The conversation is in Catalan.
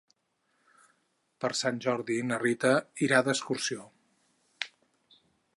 Per Sant Jordi na Rita irà d'excursió.